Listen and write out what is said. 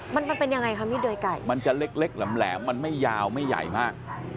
มันมันเป็นยังไงคะมีดเดยไก่มันจะเล็กแหลมมันไม่ยาวไม่ใหญ่มาก